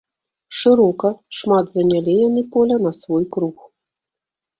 Шырока, шмат занялі яны поля на свой круг.